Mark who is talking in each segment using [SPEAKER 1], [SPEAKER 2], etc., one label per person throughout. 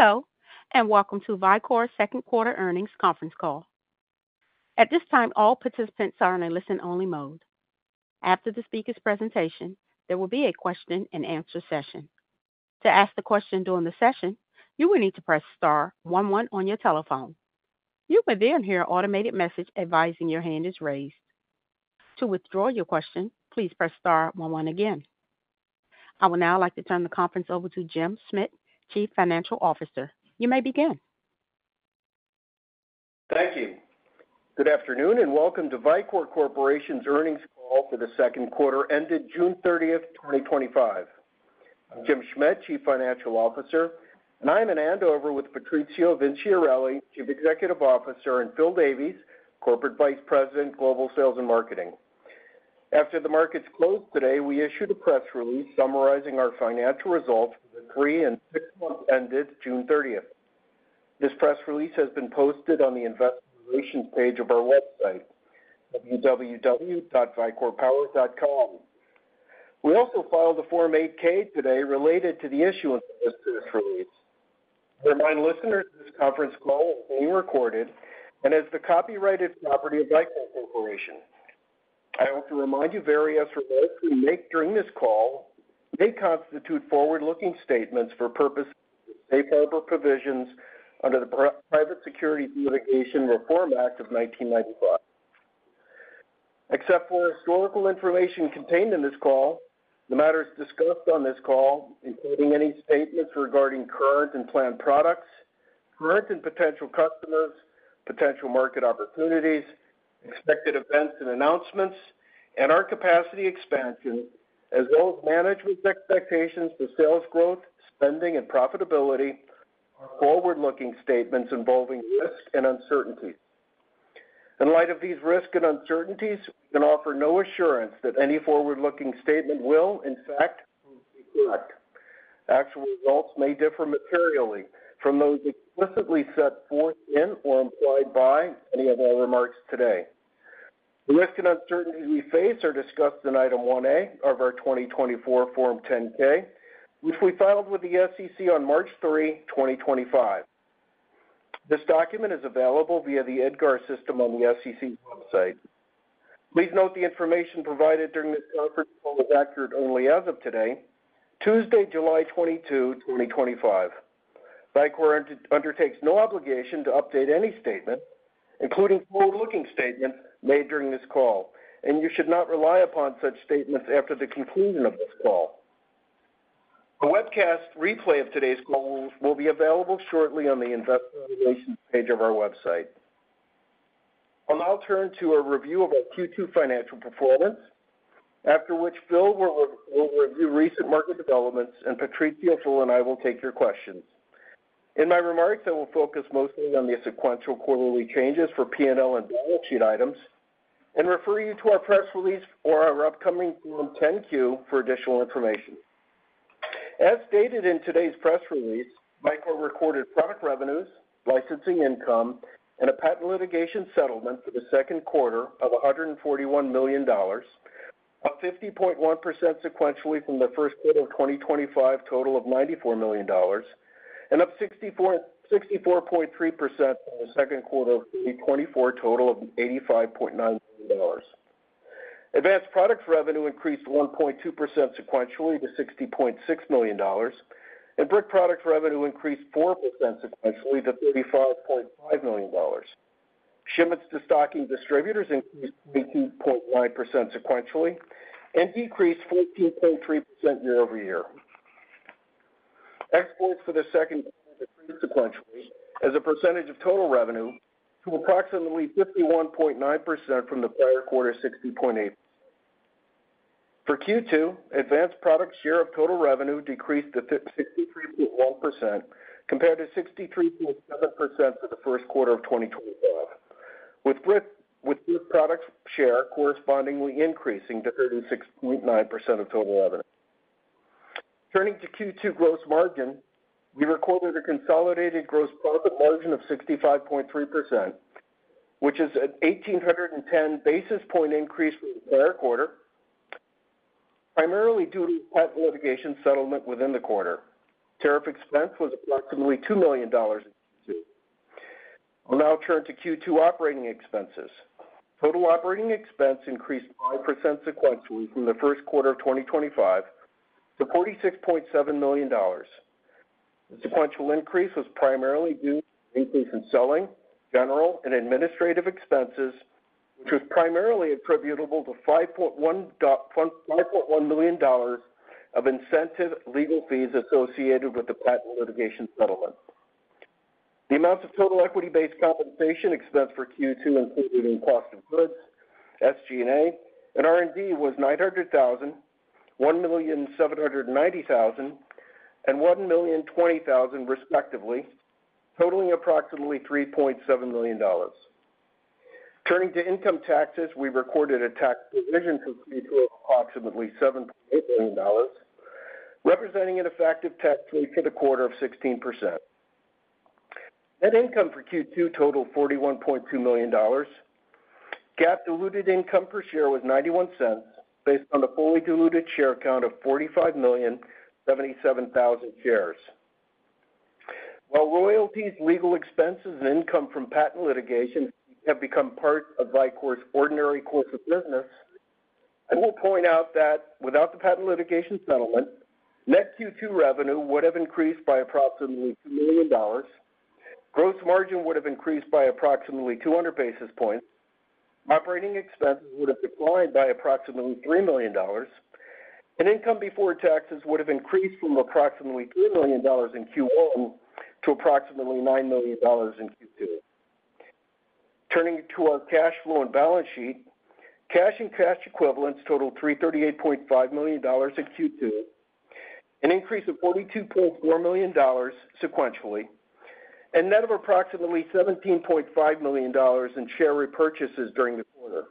[SPEAKER 1] Hello and welcome to Vicor's second quarter earnings conference call. At this time, all participants are in a listen-only mode. After the speakers' presentation, there will be a question-and-answer session. To ask a question during the session, you will need to press star one one on your telephone. You will then hear an automated message advising your hand is raised. To withdraw your question, please press star one one again. I would now like to turn the conference over to Jim Schmidt, Chief Financial Officer. You may begin.
[SPEAKER 2] Thank you. Good afternoon and welcome to Vicor Corporation's earnings call for the second quarter ended June 30, 2025. I'm Jim Schmidt, Chief Financial Officer, and I'm in Andover with Patrizio Vinciarelli, Chief Executive Officer, and Phil Davies, Corporate Vice President, Global Sales and Marketing. After the markets closed today, we issued a press release summarizing our financial results for the three and six months ended June 30. This press release has been posted on the Investor Relations page of our website, www.vicorpower.com. We also filed a Form 8-K today related to the issuance of this press release. To remind listeners, this conference call is being recorded and is the copyrighted property of Vicor Corporation. I want to remind you various remarks we make during this call may constitute forward-looking statements for purposes of safe harbor provisions under the Private Securities Litigation Reform Act of 1995. Except for historical information contained in this call, the matters discussed on this call, including any statements regarding current and planned products, current and potential customers, potential market opportunities, expected events and announcements, and our capacity expansion, as well as management's expectations for sales growth, spending, and profitability, are forward-looking statements involving risk and uncertainty. In light of these risks and uncertainties, we can offer no assurance that any forward-looking statement will, in fact, actual results may differ materially from those explicitly set forth in or implied by any of our remarks today. The risks and uncertainties we face are discussed in Item 1A of our 2024 Form 10-K, which we filed with the SEC on March 3, 2025. This document is available via the EDGAR system on the SEC's website. Please note, the information provided during this conference call is accurate only as of today, Tuesday, July 22, 2025. Vicor undertakes no obligation to update any statement, including forward-looking statements made during this call, and you should not rely upon such statements after the conclusion of this call. A webcast replay of today's call will be available shortly on the Investor Relations page of our website. I'll now turn to a review of our Q2 financial performance, after which Phil will review recent market developments and Patrizio and I will take your questions in my remarks. I will focus mostly on the sequential quarterly changes for P&L and balance sheet items and refer you to our press release or our upcoming Form 10-Q for additional information. As stated in today's press release, Vicor recorded product revenues, licensing income, and a patent litigation settlement for the second quarter of $141 million, up 50.1% sequentially from the first quarter of 2025 total of $94 million and up 64.3% from the second quarter of 2024 total of $85.9 million. Advanced product revenue increased 1.2% sequentially to $60.6 million and brick product revenue increased 4% sequentially to $35.5 million. Shipments to stocking distributors increased 22.9% sequentially and decreased 14.3% year-over-year. Exports for the second quarter decreased sequentially as a percentage of total revenue to approximately 51.9% from the prior quarter, 60.8% for Q1. Advanced product share of total revenue decreased to 63.1% compared to 63.7% for the first quarter of 2025, with brick product share correspondingly increasing to 36.9% of total revenue. Turning to Q2 gross margin, we recorded a consolidated gross profit margin of 65.3%, which is an 1810 basis point increase from the prior quarter, primarily due to the patent litigation settlement within the quarter. Tariff expense was approximately $2 million in Q2. I'll now turn to Q2 operating expenses. Total operating expense increased 5% sequentially from the first quarter of 2025 to $46.7 million. The sequential increase was primarily due to an increase in selling, general, and administrative expenses, which was primarily attributable to $5.1 million of incentive legal fees associated with the patent litigation settlement. The amounts of total equity-based compensation expense for Q2 included in cost of goods, SG&A, and R&D was $900,000, $1,790,000, and $1,020,000 respectively, totaling approximately $3.7 million. Turning to income taxes, we recorded a tax provision for Q2 of approximately $7.8 million, representing an effective tax rate for the quarter of 16%. Net income for Q2 totaled $41.2 million. GAAP diluted income per share was $0.91 based on the fully diluted share count of 45,077,000 shares. While royalties, legal expenses, and income from patent litigation have become part of Vicor's ordinary course of business. I will point out that without the patent litigation settlement, net Q2 revenue would have increased by approximately $2 million, gross margin would have increased by approximately 200 basis points, operating expenses would have declined by approximately $3 million, and income before taxes would have increased from approximately $3 million in Q1 to approximately $9 million in Q2. Turning to our cash flow and balance sheet, cash and cash equivalents totaled $338.5 million in Q2, an increase of $42.4 million sequentially and net of approximately $17.5 million in share repurchases during the quarter.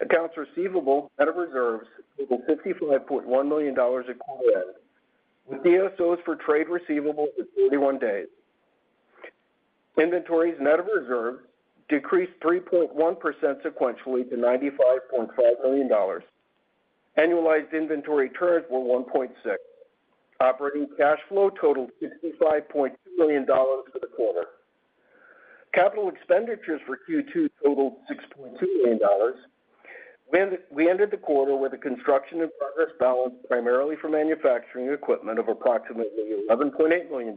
[SPEAKER 2] Accounts receivable net of reserves total $55.1 million at quarter end, with DSOs for trade receivable at 41 days. Inventories net of reserves decreased 3.1% sequentially to $95.5 million. Annualized inventory turns were 1.6. Operating cash flow totaled $65.2 million for the quarter. Capital expenditures for Q2 totaled $6.2 million. We ended the quarter with a construction in progress balance primarily for manufacturing equipment of approximately $11.8 million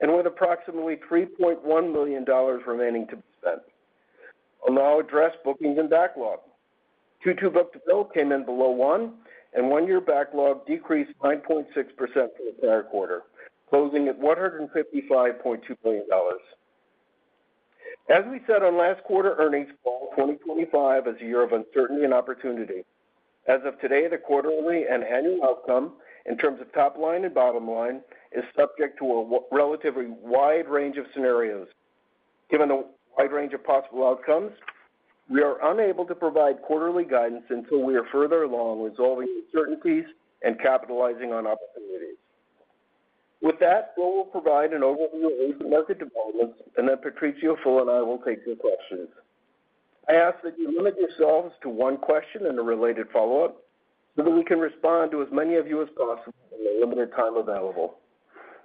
[SPEAKER 2] and with approximately $3.1 million remaining to be spent. I'll now address bookings and backlog. Q2 book-to-bill came in below one. Backlog decreased 9.6% for the prior quarter, closing at $155.2 million. As we said on last quarter, earnings call, 2025 is a year of uncertainty and opportunity. As of today, the quarterly and annual outcome in terms of top line and bottom line is subject to a relatively wide range of scenarios. Given the wide range of possible outcomes, we are unable to provide quarterly guidance until we are further along resolving uncertainties and capitalizing on opportunities. With that, Phil will provide an overview of recent market developments, and then Patrizio, Phil, and I will take your questions. I ask that you limit yourselves to one question and a related follow-up so that we can respond to as many of you as possible in the limited time available.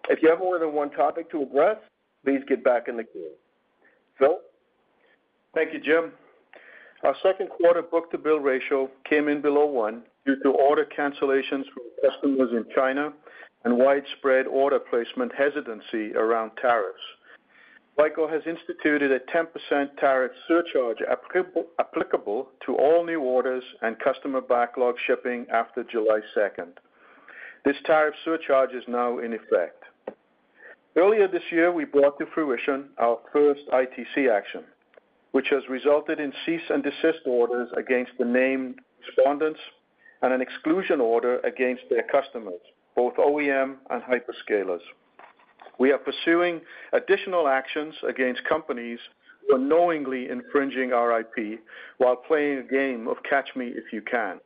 [SPEAKER 2] If you have more than one topic to address, please get back in the queue. Phil.
[SPEAKER 3] Thank you, Jim. Our second quarter book-to-bill ratio came in below one due to order cancellations from customers in China and widespread order placement hesitancy around tariffs. Vicor has instituted a 10% tariff surcharge applicable to all new orders and customer backlog shipping after July 2. This tariff surcharge is now in effect. Earlier this year we brought to fruition our first ITC action, which has resulted in cease and desist orders against the named respondents and an exclusion order against their customers, both OEMs and hyperscalers. We are pursuing additional actions against companies for knowingly infringing IP while playing a game of Catch Me if You Can.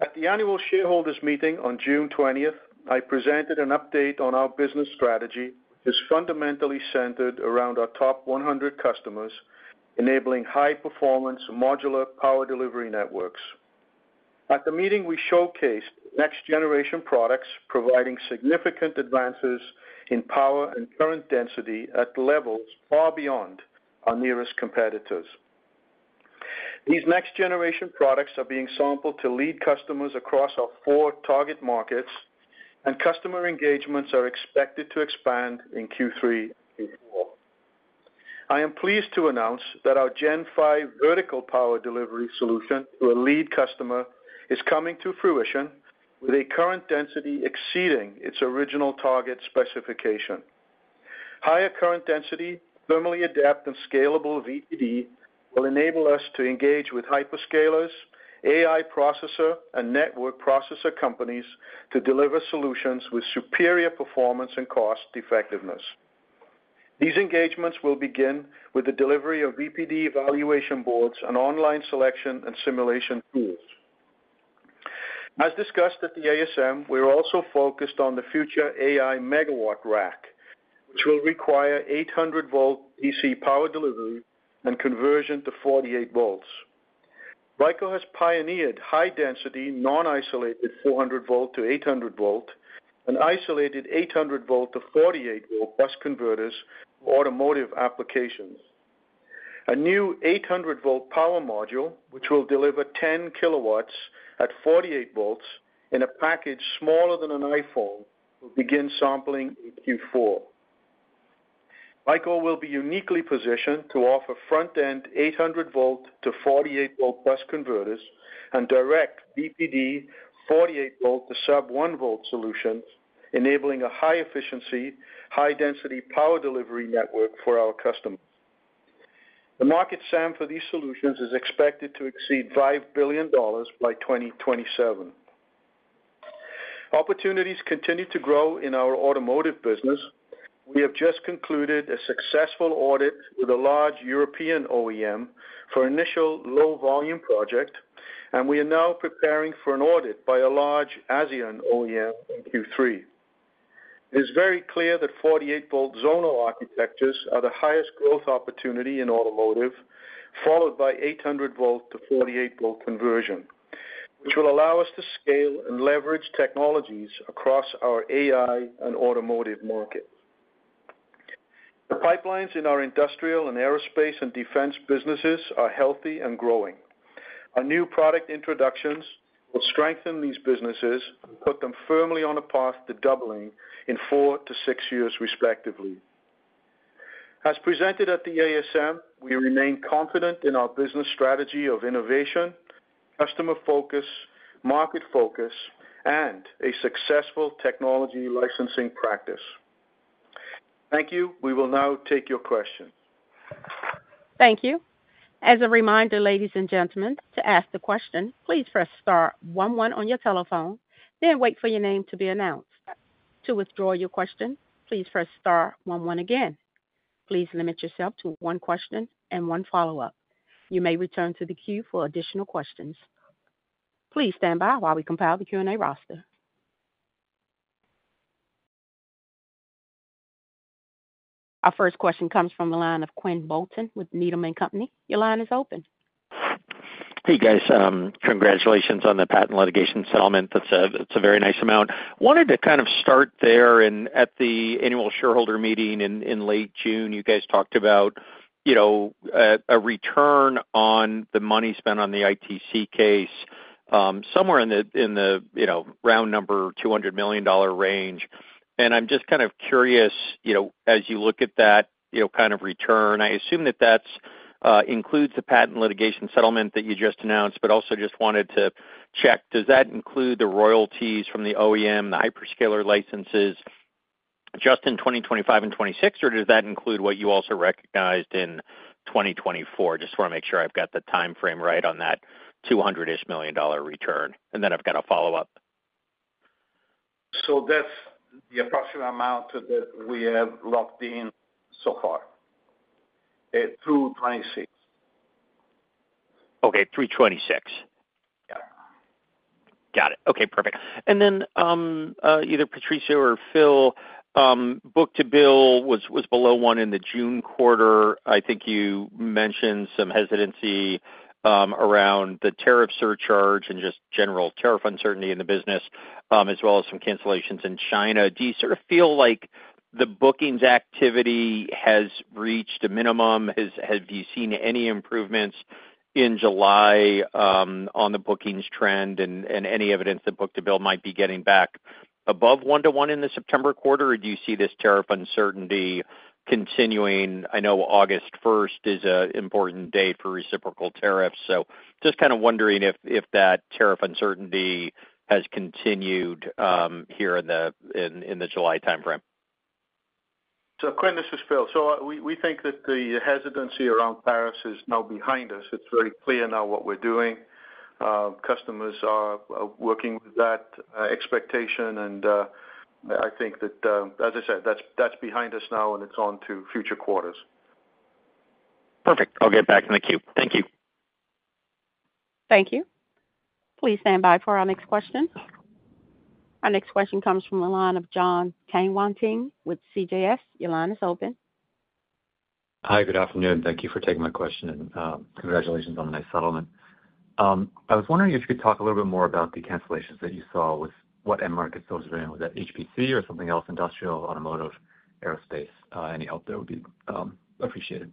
[SPEAKER 3] At the annual shareholders meeting on June 20, I presented an update on our business strategy, which is fundamentally centered around our top 100 customers enabling high performance modular power delivery networks. At the meeting we showcased next generation products providing significant advances in power and current density at levels far beyond our nearest competitors. These next generation products are being sampled to lead customers across our four target markets and customer engagements are expected to expand in Q3 and Q4. I am pleased to announce that our Gen 5 Vertical Power Delivery solution to a lead customer is coming to fruition with a current density exceeding its original target specification. Higher current density, thermally adept and scalable VPD will enable us to engage with. Hyperscalers, AI processor and network processor companies to deliver solutions with superior performance and cost effectiveness. These engagements will begin with the delivery of VPD evaluation boards and online selection and simulation tools as discussed at the ASM. We are also focused on the future AI megawatt rack which will require 800V DC power delivery and conversion to 48V. Vicor has pioneered high density non-isolated 400V-800V and isolated 800V-48V bus converters for automotive applications. A new 800V power module which will deliver 10 kW at 48V in a package smaller than an iPhone will begin sampling in Q4. Vicor will be uniquely positioned to offer front end 800V-48V bus converters and direct VPD 48V to sub 1V solutions, enabling a high efficiency, high density power delivery network for our customers. The market SAM for these solutions is expected to exceed $5 billion by 2027. Opportunities continue to grow in our automotive business. We have just concluded a successful audit with a large European OEM for an initial low volume project and we are now preparing for an audit by a large Asian OEM in Q3. It is very clear that 48V zonal architectures are the highest growth opportunity in automotive, followed by 800V-48V conversion, which will allow us to scale and leverage technologies across our AI and automotive market. The pipelines in our industrial and aerospace and defense businesses are healthy and growing. Our new product introductions will strengthen these businesses and put them firmly on a path to doubling in four to six years respectively. As presented at the ASM, we remain confident in our business strategy of innovation, customer focus, market focus, and a successful technology licensing practice. Thank you. We will now take your questions.
[SPEAKER 1] Thank you. As a reminder, ladies and gentlemen, to ask the question, please press star one one on your telephone, then wait for your name to be announced. To withdraw your question, please press star one one. Again, please limit yourself to one question and one follow up. You may return to the queue for additional questions. Please stand by while we compile the Q&A roster. Our first question comes from the line of Quinn Bolton with Needham & Company. Your line is open.
[SPEAKER 4] Hey guys. Congratulations on the patent litigation settlement. That's a very nice amount. Wanted to kind of start there. At the annual shareholder meeting in June, you guys talked about a return on the money spent on the ITC case somewhere in the round number, $200 million range. I'm just kind of curious. As you look at that kind of return, I assume that that includes the patent litigation settlement that you just announced. Also just wanted to check, does that include the royalties from the OEM, the hyperscaler licenses just in 2025 and 2026, or does that include what you also recognized in 2024? Just want to make sure I've got the time frame right on that $200 million return and then I've got a follow-up.
[SPEAKER 5] That's the approximate amount that we have locked in so far through 326.
[SPEAKER 4] Okay, 326.
[SPEAKER 5] Yep, got it.
[SPEAKER 4] Okay, perfect. Either Patrizio or Phil, book-to-bill was below one in the June quarter. I think you mentioned some hesitancy around the tariff surcharge and just general tariff uncertainty in the business, as well as some cancellations in China. Do you sort of feel like the bookings activity has reached a minimum? Have you seen any improvements in July on the bookings trend? Any evidence that book-to-bill might be getting back above 1/1 in the September quarter? Do you see this tariff uncertainty continuing? I know August 1 is an important date for reciprocal tariffs, so just kind of wondering if that tariff uncertainty has continued here in the July timeframe.
[SPEAKER 3] Quinn, this is Phil. We think that the hesitancy around tariffs is now behind us. It's very clear now what we're doing. Customers are working with that expectation. I think that, as I said, that's behind us now and it's on to future quarters.
[SPEAKER 4] Perfect. I'll get back in the queue. Thank you.
[SPEAKER 1] Thank you. Please stand by for our next question. Our next question comes from the line of John Tanwanteng with CJS Securities, your line is open.
[SPEAKER 6] Hi, good afternoon. Thank you for taking my question and congratulations on the nice settlement. I was wondering if you could talk a little bit more about the cancellations that you saw with what end market customers are doing. Was that HPC or something else? Industrial, automotive, aerospace? Any help there would be appreciated.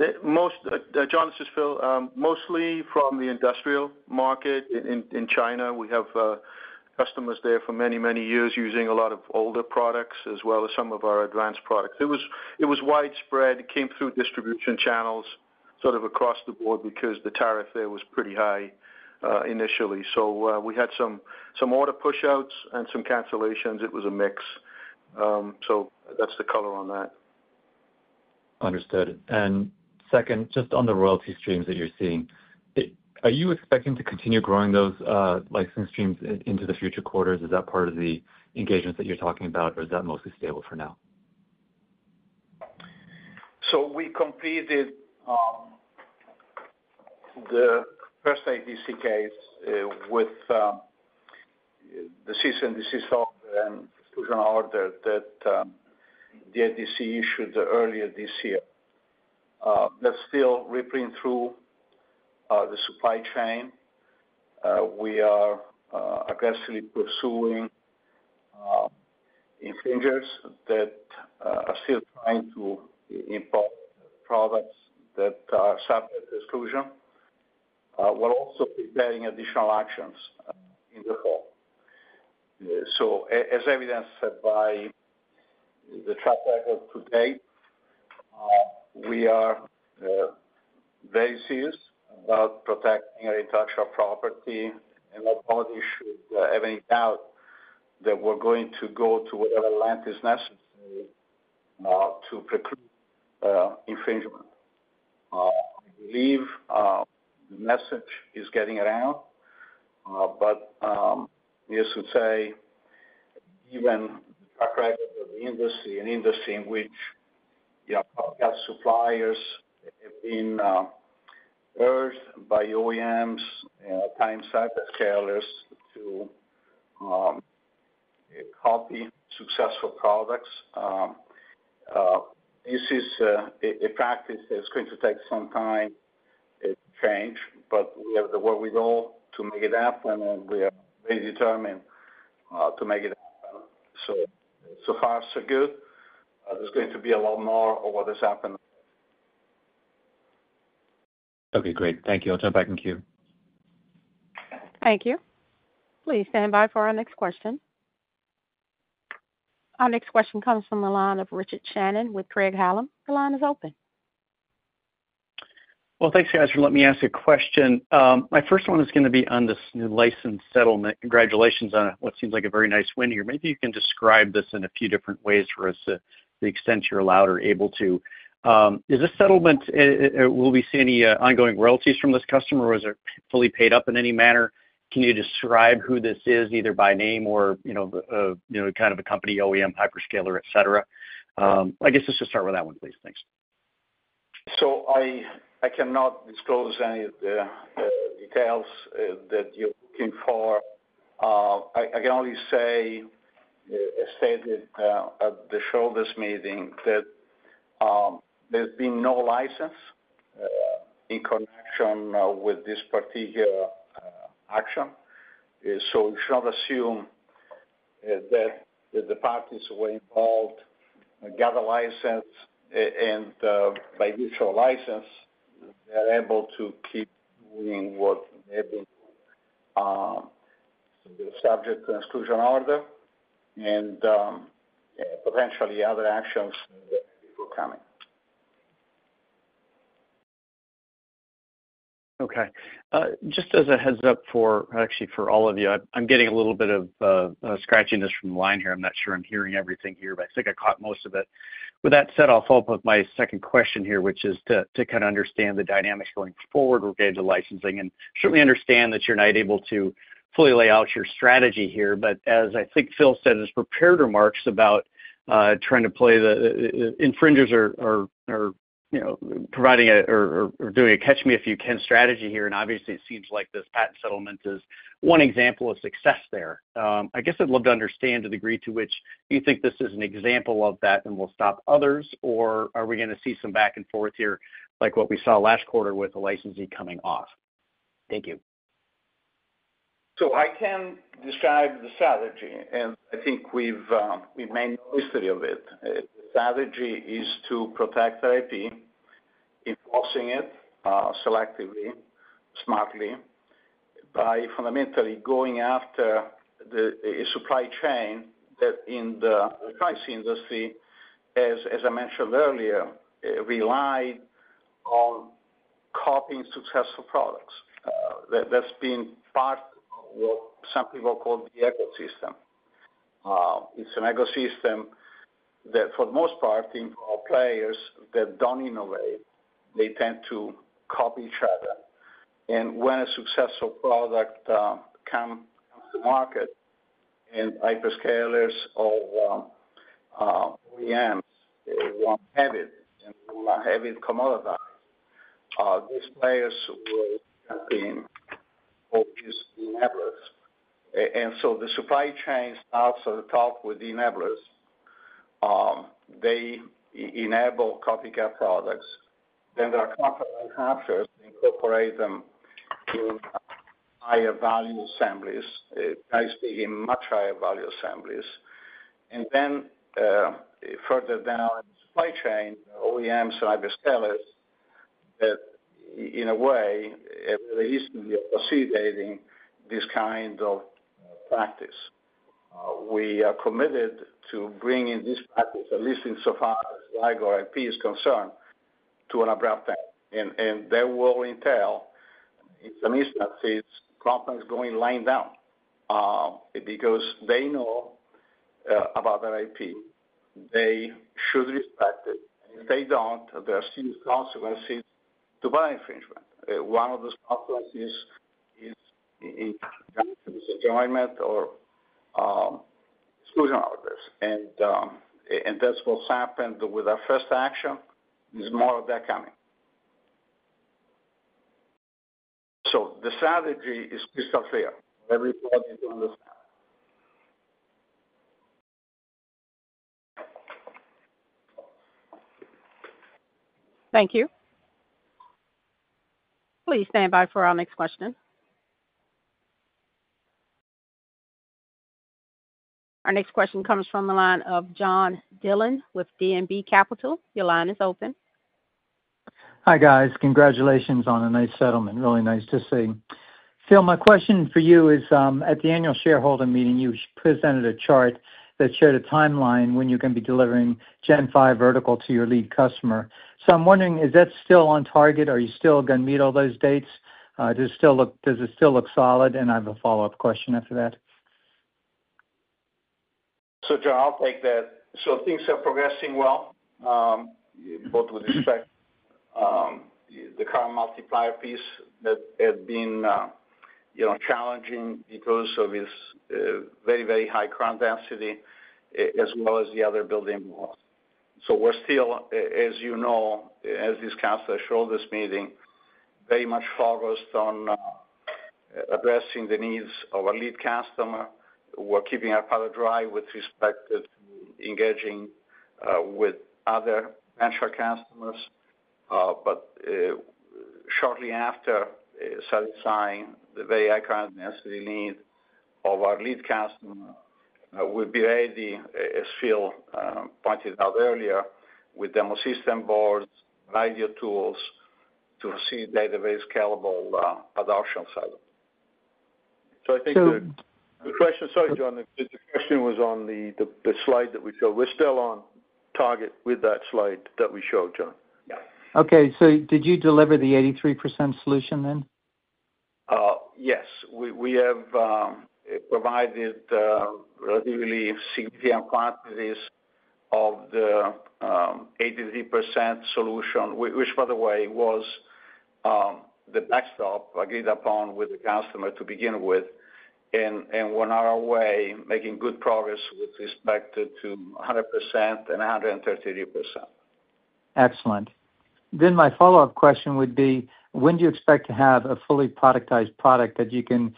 [SPEAKER 3] John, this is Phil. Mostly from the industrial market in China. We have customers there for many, many years using a lot of older products as well as some of our advanced products. It was widespread. It came through distribution channels across the board because the tariff there was pretty high initially. We had some order pushouts and some cancellations. It was a mix. That's the color on that.
[SPEAKER 6] Understood. Second, just on the royalty streams that you're seeing, are you expecting to continue growing those licensing streams into the future quarters? Is that part of the engagements that you're talking about, or is that mostly stable for now?
[SPEAKER 5] We completed the first ITC case with the cease and desist order and exclusion order that the ITC issued earlier this year. That's still rippling through the supply chain. We are aggressively pursuing infringers that are still trying to import products that are subject to exclusion while also preparing additional actions in the fall. As evidenced by the track record today, we are very serious about protecting our intellectual property and nobody should have any doubt that we're going to go to whatever length is necessary to preclude infringement. I believe the message is getting around, but needless to say, even the track record of the industry, an industry in which suppliers have been hurt by OEMs time, cybersecurity to copy successful products. This is a practice that's going to take some time to change, but we have the wherewithal to make it happen and we are very determined to make it happen. So far so good. There's going to be a lot more of what has happened.
[SPEAKER 6] Okay, great. Thank you. I'll jump back in queue.
[SPEAKER 1] Thank you. Please stand by for our next question. Our next question comes from the line of Richard Shannon with Craig-Hallum. The line is open.
[SPEAKER 7] Thank you, guys, for letting me ask a question. My first one is going to be on this new license settlement. Congratulations on what seems like a very nice win here. Maybe you can describe this in a few different ways for us to the extent you're allowed or able to. Is this settlement, will we see any ongoing royalties from this customer or is it fully paid up in any manner? Can you describe who this is, either by name or kind of a company, OEM, hyperscaler, etc.? I guess let's just start with that one, please. Thanks.
[SPEAKER 5] I cannot disclose any of the details that you're looking for. I can only say, as stated at the shoulders meeting, that there's been no license in connection with this particular action. You should not assume that the parties involved got a license, and by virtue of a license they're able to keep doing what they've been subject to exclusion order and potentially other actions for coming.
[SPEAKER 7] Just as a heads up for all of you, I'm getting a little bit of scratchiness from the line here. I'm not sure I'm hearing everything here, but I think I caught most of it. With that said, I'll follow up my second question here, which is to kind of understand the dynamics going forward with regard to licensing and certainly understand that you're not able to fully lay out your strategy here. As I think Phil said in his prepared remarks about trying to play the infringers are providing or doing a catch me if you can strategy here. Obviously, it seems like this patent settlement is one example of success there. I guess I'd love to understand the degree to which you think this is an example of that and will stop others or are we going to see some back and forth here like what we saw last quarter with the licensee coming off? Thank you.
[SPEAKER 5] I can describe the strategy and I think we've made history of it. The strategy is to protect therapy, enforcing it selectively, smartly, by fundamentally going after the supply chain. In the power industry, as I mentioned earlier, relied on copying successful products. That's been part of what some people call the ecosystem. It's an ecosystem that for the most part, players that don't innovate, they tend to copy each other. When a successful product comes to market and hyperscalers or OEMs want to have it and have it commoditized, these players will use enablers. The supply chain starts at the top with enablers; they enable copycat products. Then there are those who incorporate them in higher value assemblies, much higher value assemblies, and then further down the supply chain, OEMs. In a way, this kind of practice, we are committed to bringing this practice, at least insofar as Vicor IP is concerned, to an abrupt end and that will entail it's an east of feed problems going lying down. Because they know about their IP, they should respect it. If they don't, there are serious consequences to IP infringement. One of those consequences is injunction or exclusion of this. That's what's happened with our first action. There's more of that coming. The strategy is crystal clear.
[SPEAKER 1] Thank you. Please stand by for our next question. Our next question comes from the line of John Dillon with D&B Capital. Your line is open.
[SPEAKER 8] Hi guys, congratulations on a nice settlement. Really nice to see. Phil, my question for you is at the annual shareholder meeting you presented a chart that showed a timeline when you're going to be delivering Gen 5 Vertical to your lead customer. I'm wondering, is that still on target? Are you still going to meet all those dates? Does it still look solid? I have a follow up question after that.
[SPEAKER 5] Things are progressing well with respect to the current multiplier piece that had been challenging because of its very, very high current density as well as the other building blocks. We're still, as discussed, very much focused on addressing the needs of a lead customer. We're keeping our paddle dry with respect to engaging with other venture customers. Shortly after satisfying the very high current necessity need of our lead customer, we'll be ready, as Phil Davies pointed out earlier, with demo system boards, radio tools to see database scalable adoption cycle.
[SPEAKER 2] I think the question. Sorry, John, the question was on the slide that we showed. We're still on target with that slide that we showed, John.
[SPEAKER 8] Okay, did you deliver the 83% solution then?
[SPEAKER 3] Yes, we have provided relatively significant quantities of the 83% solution, which, by the way, was the backstop agreed upon with the customer to begin with, and went on our way making good progress with respect to 100% and 133%.
[SPEAKER 8] Excellent. My follow up question would be when do you expect to have a fully productized product that you can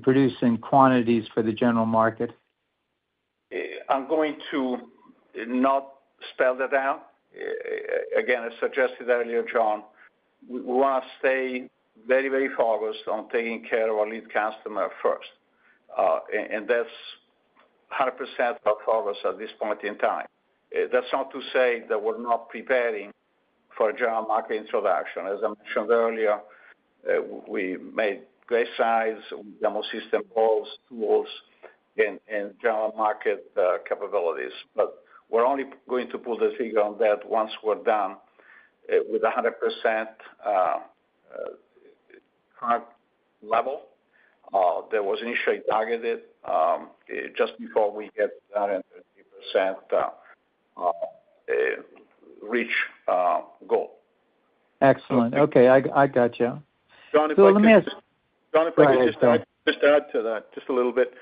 [SPEAKER 8] produce in quantities for the general market?
[SPEAKER 5] I'm going to not spell that out again as suggested earlier, John. We want to stay very, very focused on taking care of our lead customer first, and that's 100% of us at this point in time. That's not to say that we're not preparing for a general market introduction. As I mentioned earlier, we made grade size demo system and general market capabilities, but we're only going to pull the figure on that once we're done with 100% level that was initially targeted just before we get 100% reach goal.
[SPEAKER 8] Excellent. Okay, I got you.
[SPEAKER 3] John, If I could just add to that. Just a little bit.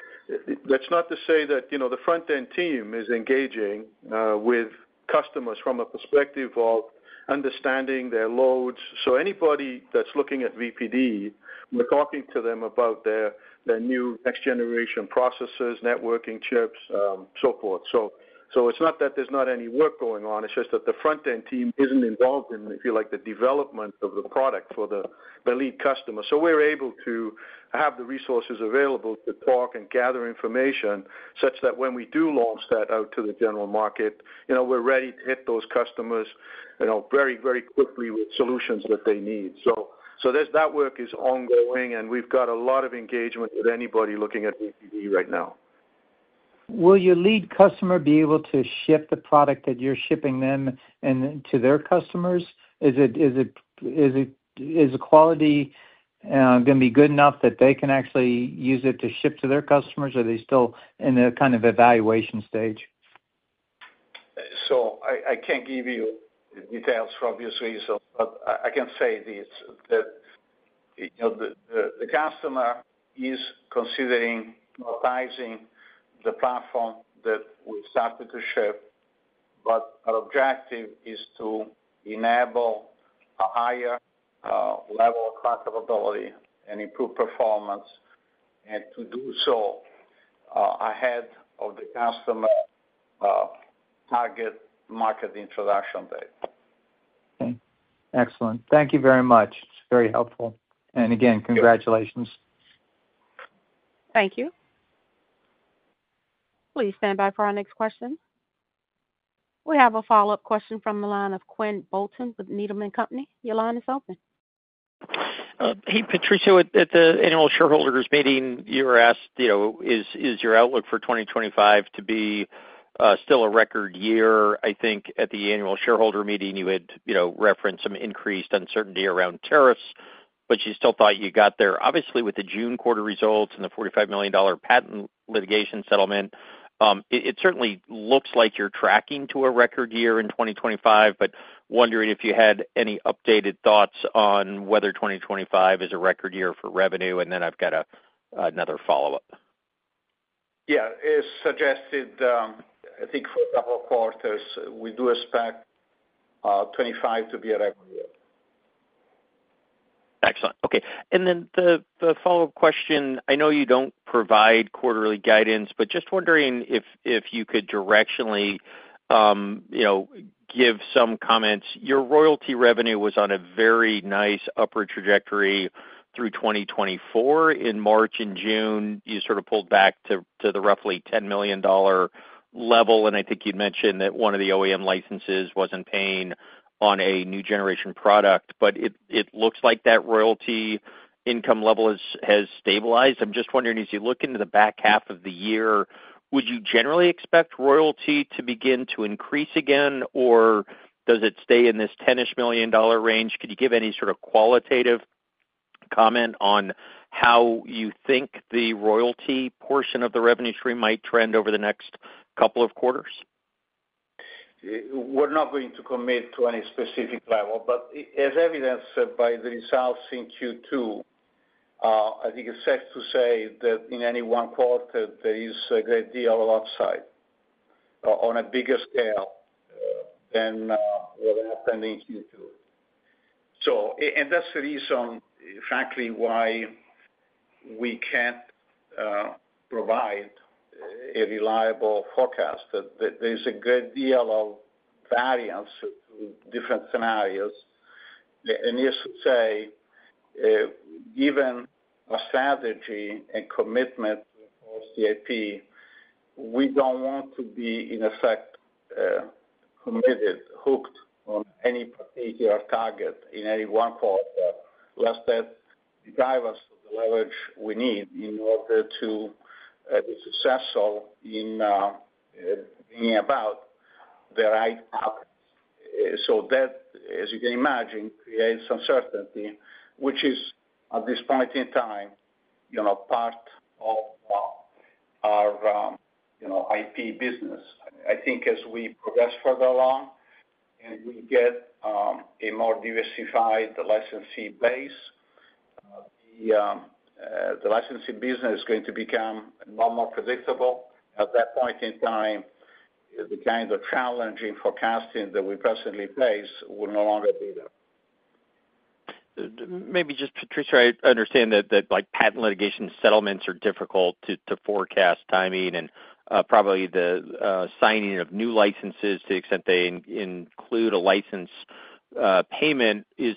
[SPEAKER 3] That's not to say that the front end team is engaging with customers from a perspective of understanding their loads. Anybody that's looking at VPD, we're talking to them about their new next generation processors, networking chips, so forth. It's not that there's not any work going on, it's just that the front end team isn't involved in, if you like, the development of the product for the lead customer. We're able to have the resources available to talk and gather information such that when we do launch that out to the general market, we're ready to hit those customers very, very quickly with solutions that they need. That work is ongoing, and we've got a lot of engagement with anybody looking at VPD right now.
[SPEAKER 8] Will your lead customer be able to ship the product that you're shipping them to their customers? Is it the quality going to be good enough that they can actually use it to ship to their customers? Are they still in a kind of evaluation stage?
[SPEAKER 5] I can't give you details from these reasons, but I can say this. That the customer is considering monetizing the platform that we started to ship. Our objective is to enable a higher level of profitability and improve performance, and to do so ahead of the customer target market introduction date.
[SPEAKER 8] Excellent. Thank you very much. Very helpful and again, congratulations.
[SPEAKER 1] Thank you. Please stand by for our next question. We have a follow up question from the line of Quinn Bolton with Needham & Company. Your line is open.
[SPEAKER 4] Hey Patrizio, at the annual shareholders meeting you were asked, you know, is your outlook for 2025 to be still a record year? I think at the annual shareholders meeting you had referenced some increased uncertainty around tariffs, but you still thought you got there. Obviously, with the June quarter results and the $45 million patent litigation settlement, it certainly looks like you're tracking to a record year in 2025. Wondering if you had any updated thoughts on whether 2025 is a record year for revenue. Then I've got another follow
[SPEAKER 5] As suggested, I think for a couple of quarters we do expect 2025 to be a revenue year.
[SPEAKER 4] Excellent. Okay, and the follow up question. I know you don't provide quarterly guidance, but just wondering if you could directionally give some comments. Your royalty revenue was on a very nice upward trajectory through 2024. In March and June, you sort of pulled back to the roughly $10 million level. I think you mentioned that one of the OEM licenses wasn't paying on a new generation product. It looks like that royalty income level has stabilized. I'm just wondering, as you look into the back half of the year, would you generally expect royalty to begin to increase again or does it stay in this $10 million range? Could you give any sort of qualitative comment on how you think the royalty portion of the revenue stream might trend over the next couple of quarters?
[SPEAKER 5] We're not going to commit to any specific level, but as evidenced by the results in Q2, I think it's safe to say that in any one quarter there is a great deal of upside on a bigger scale than what happened in Q2.So, that's the reason, frankly, why we can't provide a reliable forecast. There's a great deal of variance, different scenarios, and, as to say, given a strategy and commitment for CIP, we don't want to be, in effect, committed, hooked on any particular target in any one corridor, lest that drive us the leverage we need in order to be successful in bringing about the right patterns. That, as you can imagine, creates uncertainty, which is at this point in time part of our IP business. I think as we progress further along and we get a more diversified licensee base, the licensee business is going to become a lot more predictable. At that point in time, the kind of challenging forecasting that we presently face will no longer be there.
[SPEAKER 4] Maybe just. Patrizio, I understand that patent litigation settlements are difficult to forecast. Timing, probably the signing of new licenses, to the extent they include a license payment, is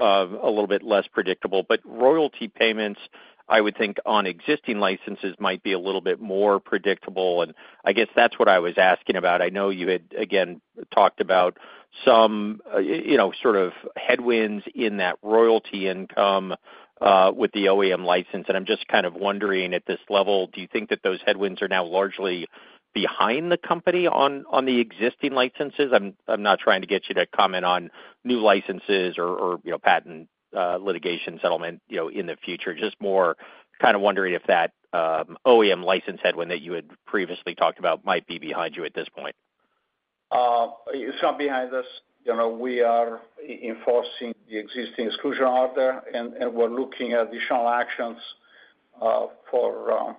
[SPEAKER 4] a little bit less predictable. Royalty payments, I would think, on existing licenses might be a little bit more predictable. I guess that's what I was asking about. I know you had again talked about some headwinds in that royalty income with the OEM license. I'm just wondering, at this level, do you think that those headwinds are now largely behind the company on the existing licenses? I'm not trying to get you to comment on new licenses or patent litigation settlement in the future. Just more kind of wondering if that OEM license headwind that you had previously talked about might be behind you at this point.
[SPEAKER 5] It's not behind us. We are enforcing the existing exclusion order, and we're looking at additional actions for,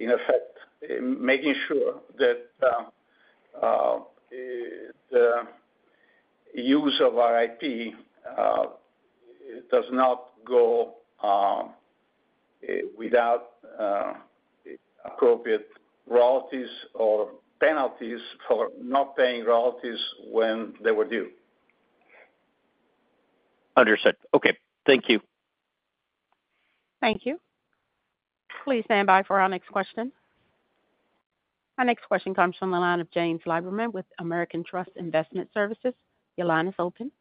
[SPEAKER 5] in effect, making sure that the use of RIP does not go without appropriate royalties or penalties for not paying royalties when they were due.
[SPEAKER 4] Understood. Okay, thank you.
[SPEAKER 1] Thank you. Please stand by for our next question. Our next question comes from the line of James Liberman with American Trust Investment Services. Your line is open.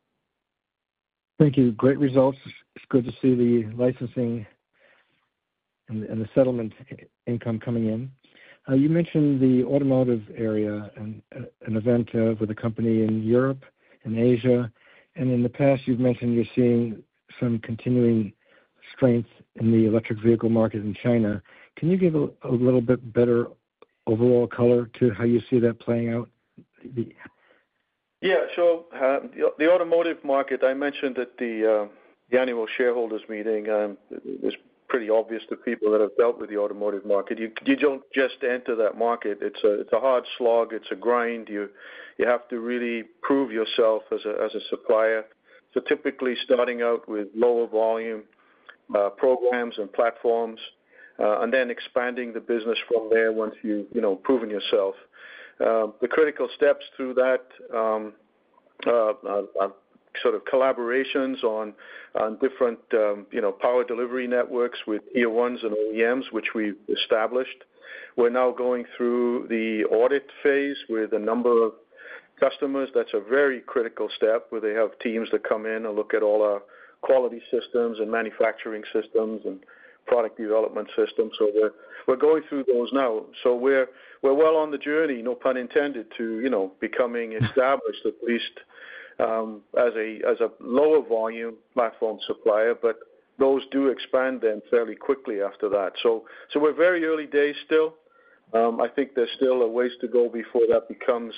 [SPEAKER 9] Thank you. Great results. It's good to see the licensing and the settlement income coming in. You mentioned the automotive area and an event with a company in Europe and Asia. In the past you've mentioned you're seeing some continuing strength in the electric vehicle market in China. Can you give a little bit better overall color to how you see that playing out?
[SPEAKER 3] Yeah. The automotive market, I mentioned at the annual shareholders meeting, is pretty obvious to people that have dealt with the automotive market. You don't just enter that market. It's a hard slog, it's a grind. You have to really prove yourself as a supplier. Typically, starting out with lower volume programs and platforms and then expanding the business from there once you've proven yourself. The critical steps through that are collaborations on different power delivery networks with OEMs, which we established. We're now going through the audit phase with a number of customers. That's a very critical step where they have teams that come in and look at all our quality systems and manufacturing systems and product development systems. We're going through those now. We're well on the journey, no pun intended, to becoming established at least as a lower volume platform supplier. Those do expand then fairly quickly after that. We're very early days still. I think there's still a ways to go before that becomes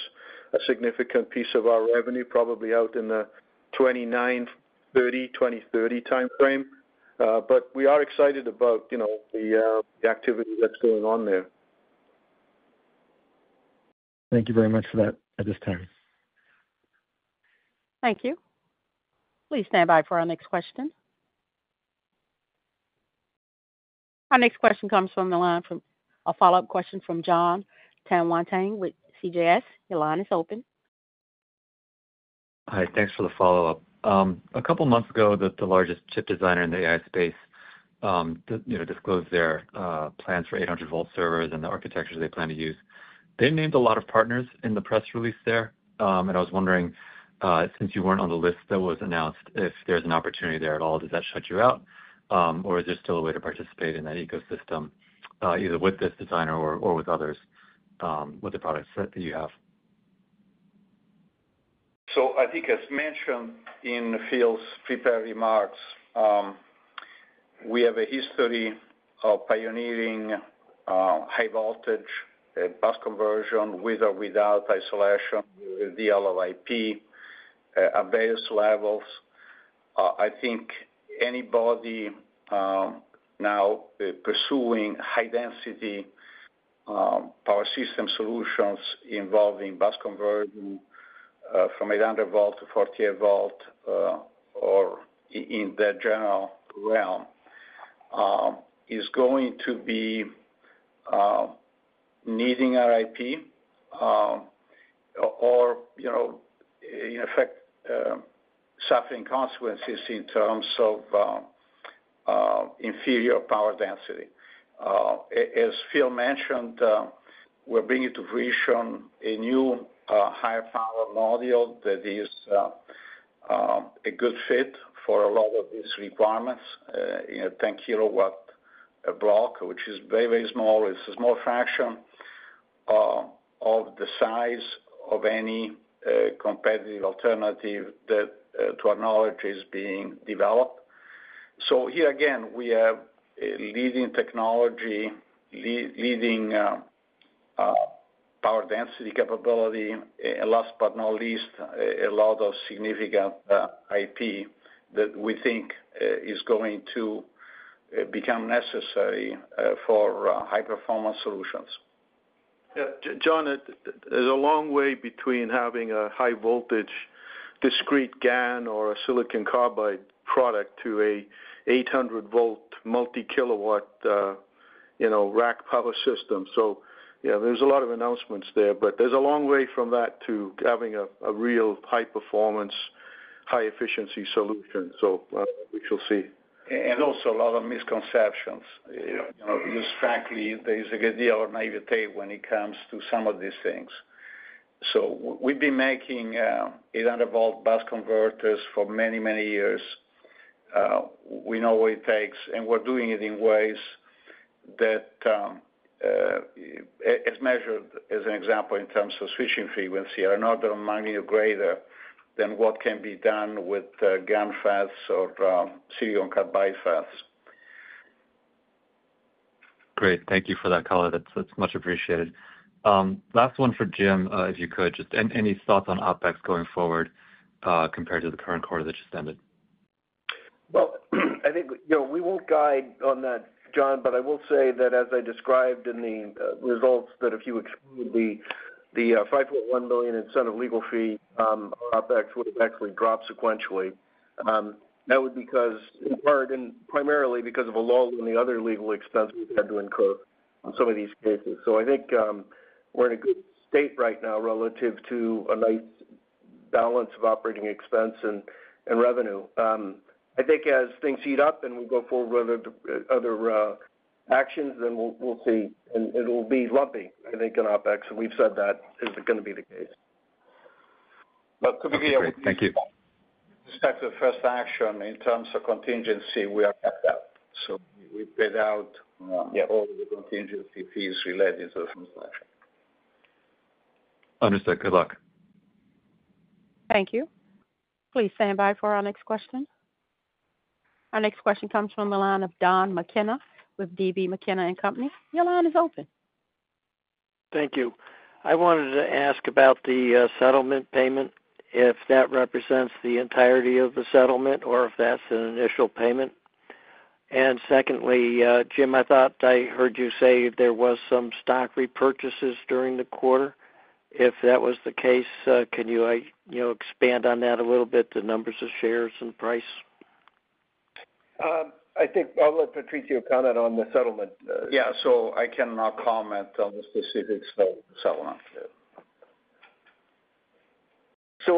[SPEAKER 3] a significant piece of our revenue, probably out in the 2029, 2030 time frame. We are excited about the activity that's going on there.
[SPEAKER 9] Thank you very much for that at this time.
[SPEAKER 1] Thank you. Please stand by for our next question. Our next question comes from a follow-up question from John Tanwanteng with CJS Securities. Your line is open.
[SPEAKER 6] Hi. Thanks for the follow up. A couple months ago, the largest chip designer in the AI space disclosed their plans for 800V servers and the architectures they plan to use. They named a lot of partners in the press release there. I was wondering, since you weren't on the list that was announced, if there's an opportunity there at all, does that shut you out or is there still a way to participate in that ecosystem either with this designer or with others with the products that you have?
[SPEAKER 5] I think as mentioned in Phil's prepared remarks, we have a history of pioneering high voltage bus conversion with or without isolation deployed at various levels. I think anybody now pursuing high density power system solutions involving bus conversion from 800V-48V or in the general realm is going to be needing RIP or in effect suffering consequences in terms of inferior power density. As Phil mentioned, we're bringing to fruition a new higher power module that is a good fit for a lot of these requirements in a 10 kW block, which is very, very small. It's a small fraction of the size of any competitive alternative that, to our knowledge, is being developed. Here again, we have leading technology leading a power density capability, and last but not least, a lot of significant IP that we think is going to become necessary for high performance solutions.
[SPEAKER 3] John, there's a long way between having a high voltage discrete GaN or a silicon carbide product to an 800V multi-kilowatt rack power system. There are a lot of announcements there, but there's a long way from that to having real high performance, high efficiency solutions. We shall see and also a lot of misconceptions.
[SPEAKER 5] Frankly there is a good deal of naivete when it comes to some of these things. We've been making 800V-48V bus converters for many, many years. We know what it takes and we're doing it in ways that, as measured as an example in terms of switching frequency, are an order of magnitude greater than what can be done with GaN, FETs, or silicon carbide FETs.
[SPEAKER 6] Great, thank you for that color. That's much appreciated. Last one for Jim, if you could just share any thoughts on OpEx going forward compared to the current quarter that just ended?
[SPEAKER 3] I think we won't guide on that, John, but I will say that as I described in the results, if you would be the $5.1 million incentive legal fee OpEx would have actually dropped sequentially. That would be because, in part, and primarily because of a lull on the other legal expense we've had to incur in some of these cases. I think we're in a good state right now relative to a nice balance of operating expense and revenue. I think as things heat up and we go forward with other actions, we'll see and it will be lumpy. I think in OpEx we have said that isn't going to be the case.
[SPEAKER 5] To be clear.
[SPEAKER 6] Thank you.
[SPEAKER 5] First action in terms of contingency, we are kept out. We paid out all the contingency fees related to the first action.
[SPEAKER 6] Understood. Good luck.
[SPEAKER 1] Thank you. Please stand by for our next question. Our next question comes from the line of Don McKenna with D B McKenna. Your line is open.
[SPEAKER 10] Thank you. I wanted to ask about the settlement payment, if that represents the entirety of the settlement or if that's an initial payment. Secondly, Jim, I thought I heard you say there was some share repurchases during the quarter, if that was the case. Can you expand on that a little bit? The number of shares and price? I think I'll let Patrizio comment on the settlement.
[SPEAKER 5] Yeah, I cannot comment on the specifics of the settlement.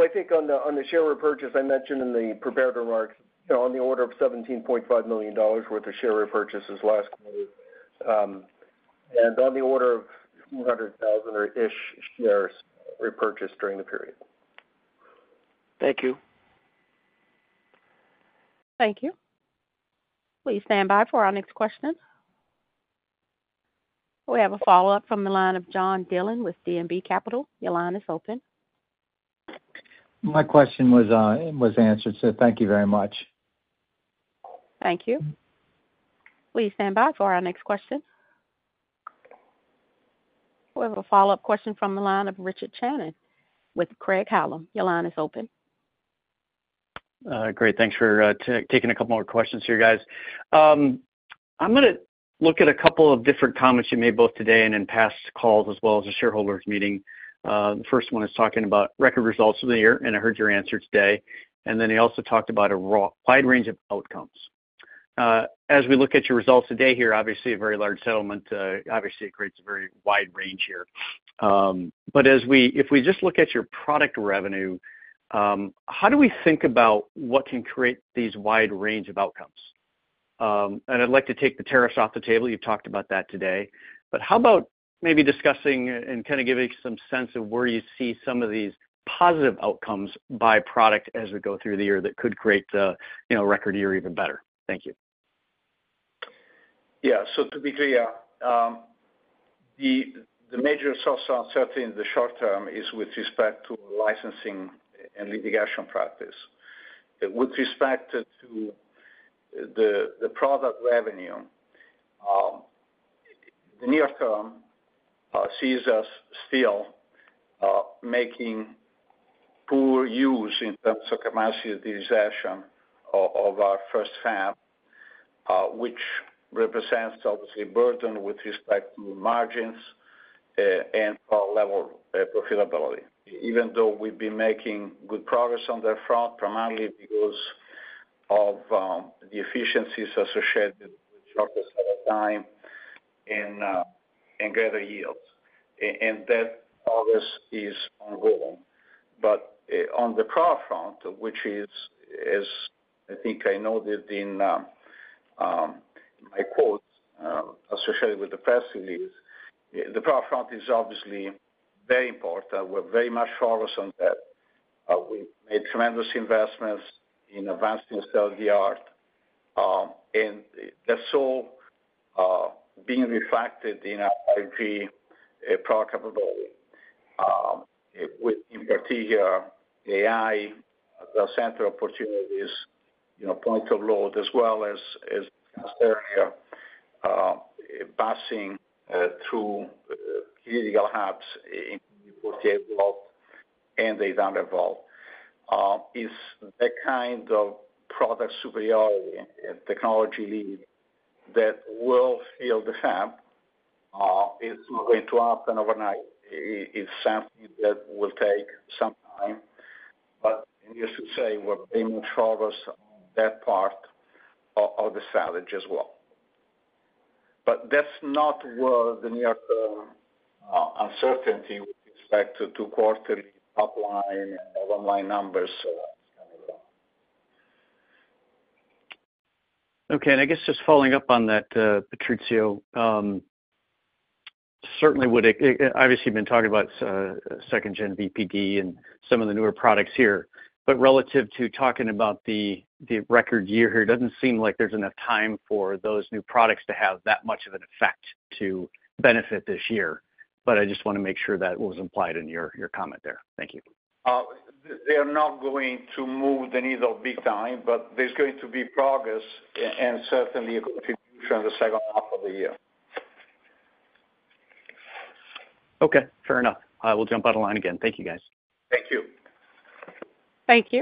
[SPEAKER 3] I think on the share repurchase, I mentioned in the prepared remarks on the order of $17.5 million worth of share repurchases last quarter and on the order of 400,000-ish shares repurchased during the period. Thank you.
[SPEAKER 1] Thank you. Please stand by for our next question. We have a follow-up from the line of John Dillon with D&B Capital. Your line is open.
[SPEAKER 8] My question was answered, so thank you very much.
[SPEAKER 1] Thank you. Please stand by for our next question. We have a follow-up question from the line of Richard Shannon with Craig-Hallum. Your line is open.
[SPEAKER 7] Great. Thanks for taking a couple more questions here, guys. I'm going to look at a couple of different comments you made both today and in past calls as well as the shareholders meeting. The first one is talking about record results of the year and I heard your answer today. You also talked about a wide range of outcomes as we look at your results today. Obviously a very large settlement creates a very wide range here. If we just look at your product revenue, how do we think about what can create these wide range of outcomes? I'd like to take the tariffs off the table, you talked about that today, but maybe discuss and give some sense of where you see some of these positive outcomes by product as we go through the year, that could create the record year even better.
[SPEAKER 5] Thank you. Yeah. To be clear, the major source of uncertainty in the short term is with respect to licensing and litigation practice with respect to the product revenue. The near term sees us still making poor use in terms of commercial utilization of our first fab, which represents obviously burden with respect to margins and level profitability, even though we've been making good progress on that front primarily because of the efficiencies associated with shortest time and greater yields. That progress is ongoing. On the product front, which is as I think I noted in my quotes associated with the press release, the prior front is obviously very important. We're very much focused on that. We made tremendous investments in advancing state of the art and that's all being reflected in our 5G product capability. In particular AI the center opportunities, you know, point of load as well as discussed earlier, passing through critical hubs in 48 world and they don't evolve is the kind of product superiority technology lead that will fill the fan. It's not going to happen overnight. It's something that will take some time, but payment service that part of the salvage as well. That's not where the New York uncertainty with respect to quarterly top line and bottom line numbers.
[SPEAKER 7] Okay, I guess just following up on that, Patrizio, certainly we've obviously been talking about 2nd gen VPD and some of the newer products here, but relative to talking about the record year here, it doesn't seem like there's enough time for those new products to have that much of an effect to benefit this year, but I just want to make sure that was implied in your comment there. Thank you.
[SPEAKER 5] They are not going to move the needle big time, but there's going to be progress and certainly a contribution in the second half of the year.
[SPEAKER 7] Okay, fair enough. I will jump out of the line. Thank you guys.
[SPEAKER 5] Thank you.
[SPEAKER 1] hank you.